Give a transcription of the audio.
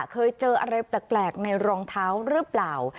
เคยเจออะไรแปลกในรองเท้าหรือเปล่า